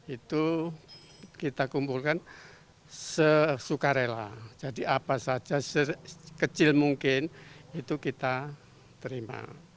itu kita kumpulkan sesuka rela jadi apa saja sekecil mungkin itu kita terima